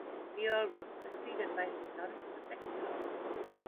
The Earl was succeeded by his son, the second Earl.